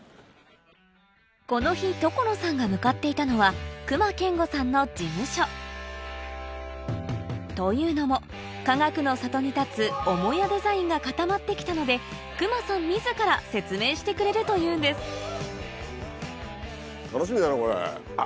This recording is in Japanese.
この日所さんが向かっていたのは隈研吾さんの事務所というのもかがくの里に建つ母屋デザインが固まってきたので隈さん自ら説明してくれるというんです楽しみだなこれ。